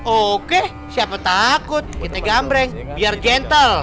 oke siapa takut kita gambreng biar gentle